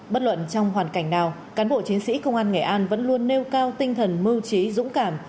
bất luận trong hoàn cảnh nào cán bộ chiến sĩ công an nghệ an vẫn luôn nêu cao tinh thần mưu trí dũng cảm